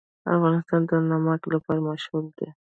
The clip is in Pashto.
افغانستان د نمک لپاره مشهور دی.